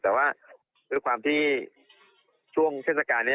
แต่ว่าด้วยความที่ช่วงเทศกาลนี้